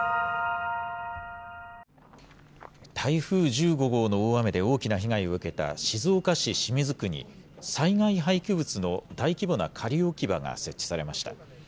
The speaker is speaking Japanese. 台風１５号の大雨で大きな被害を受けた静岡市清水区に、災害廃棄物の大規模な仮置き場が設置されました。